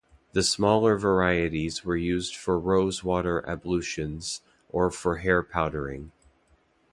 The smaller varieties were used for rose-water ablutions, or for hair-powdering.